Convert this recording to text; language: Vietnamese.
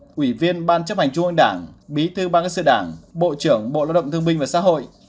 nguyên ủy viên ban chấp hành trung ương đảng bí thư ban các sự đảng bộ trưởng bộ đạo động tư minh và xã hội